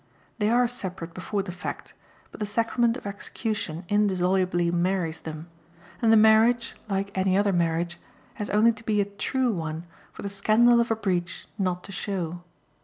They are separate before the fact, but the sacrament of execution indissolubly marries them, and the marriage, like any other marriage, has only to be a "true" one for the scandal of a breach not to show.